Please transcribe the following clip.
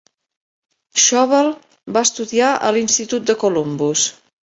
Schobel va estudiar a l'institut de Columbus.